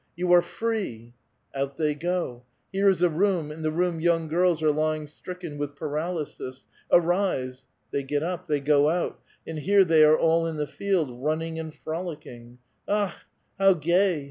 " You are free !" Out they go ! Here is a room, in the room young girls are lying stricken with paralysis. " Arise !" They get up, they go out, and here they all are in the field, run ning and frolicking. Akh!